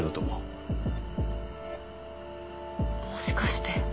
もしかして。